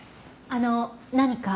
あの何か？